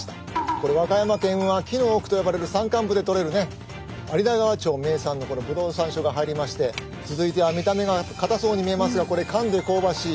これ和歌山県は紀の奥と呼ばれる山間部でとれるね有田川町名産のこのぶどうさんしょうが入りまして続いては見た目がかたそうに見えますがこれかんで香ばしい